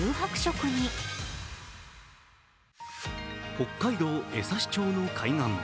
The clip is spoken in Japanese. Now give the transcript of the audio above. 北海道江差町の海岸。